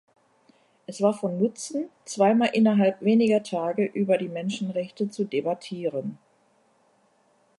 Es war von Nutzen, zweimal innerhalb weniger Tage über die Menschenrechte zu debattieren.